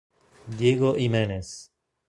Diego Jiménez